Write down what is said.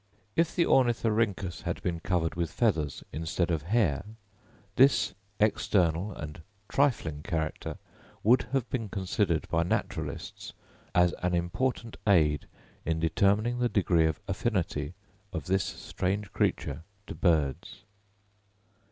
If the Ornithorhynchus had been covered with feathers instead of hair, this external and trifling character would have been considered by naturalists as an important aid in determining the degree of affinity of this strange creature to birds.